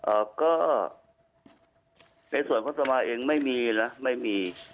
เอ่อก็ในส่วนของสมาเองไม่มีนะไม่มี